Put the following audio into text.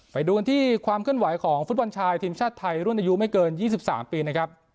ไปดูกันที่ความเคลื่อนไหวของฟุตบอลชายทีมชาติไทยรุ่นอายุไม่เกิน๒๓ปีนะครับ